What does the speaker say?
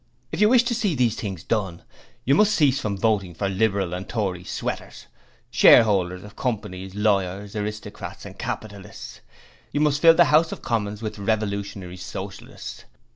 If you wish to see these things done, you must cease from voting for Liberal and Tory sweaters, shareholders of companies, lawyers, aristocrats, and capitalists; and you must fill the House of Commons with Revolutionary Socialists.